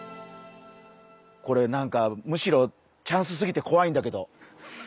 これなんかむしろチャンスすぎてこわいんだけど。